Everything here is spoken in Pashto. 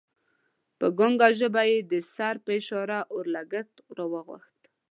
په ګنګه ژبه یې د سر په اشاره اورلګیت وغوښت.